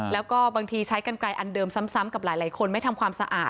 แล้วก็บางทีใช้กันไกลอันเดิมซ้ำกับหลายคนไม่ทำความสะอาด